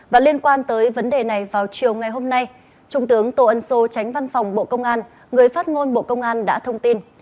và liên quan tới vấn đề này vào chiều ngày hôm nay trung tướng tô ân sô tránh văn phòng bộ công an người phát ngôn bộ công an đã thông tin